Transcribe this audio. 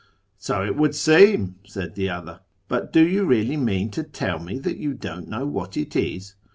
'So it would seem,' said the other; ' but do you really mean to tell me that you don't know what it is